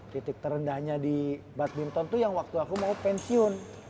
titik terendahnya di badminton tuh yang waktu aku mau pensiun